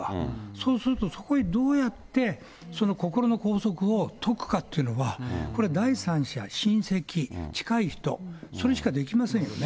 そうすると、そこへどうやって心の拘束を解くかというのは、これは第三者、親戚、近い人、それしかできませんよね。